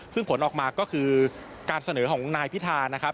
ซึ่งผลออกมาก็คือการเสนอของนายพิธานะครับ